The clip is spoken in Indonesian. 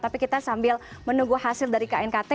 tapi kita sambil menunggu hasil dari knkt